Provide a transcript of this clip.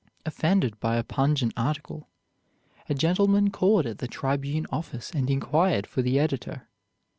Offended by a pungent article, a gentleman called at the "Tribune" office and inquired for the editor.